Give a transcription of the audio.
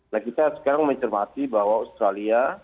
nah kita sekarang mencermati bahwa australia